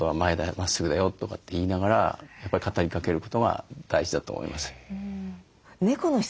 まっすぐだよ」とかって言いながらやっぱり語りかけることが大事だと思います。